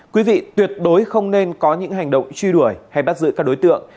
quý vị tuyệt đối không nên có những hành động truy đuổi hay bắt giữ các đối tượng